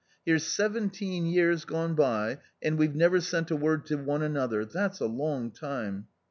Here's seven teen years gone by and we've never sent a word to one another — that's a long time.